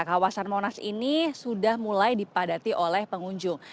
kawasan monas ini sudah mulai dipadati oleh pengunjung